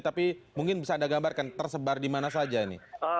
tapi mungkin bisa anda gambarkan tersebar di mana saja ini